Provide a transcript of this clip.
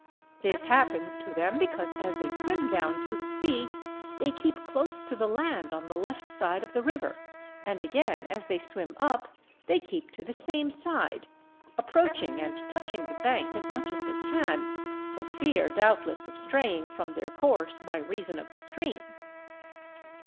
This happens to them because as they swim down to the sea they keep close to the land on the left side of the river, and again as they swim up they keep to the same side, approaching and touching the bank as much as they can, for fear doubtless of straying from their course by reason of the stream.